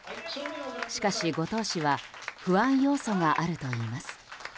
しかし、後藤氏は不安要素があるといいます。